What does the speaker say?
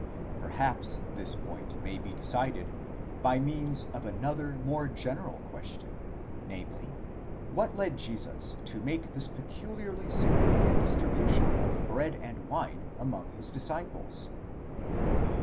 Perhaps this point may be decided by means of another more general question, namely, what led Jesus to make this peculiarly significant distribu tion of bread and wine among his disciples?